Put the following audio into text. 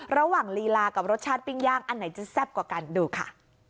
ลีลากับรสชาติปิ้งย่างอันไหนจะแซ่บกว่ากันดูค่ะ